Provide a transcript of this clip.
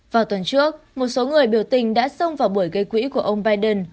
vào tuần trước một số người biểu tình đã xông vào buổi gây quỹ của ông biden